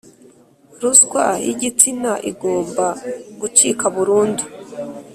Ruswa yigitsina igomba gucika burundu